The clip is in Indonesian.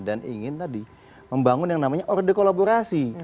dan ingin tadi membangun yang namanya orde kolaborasi